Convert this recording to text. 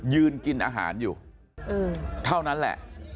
ยืนกินอาหารอยู่เท่านั้นแหละ